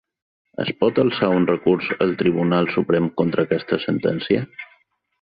Es pot alçar un recurs al Tribunal Suprem contra aquesta sentència.